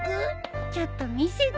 ちょっと見せてよ。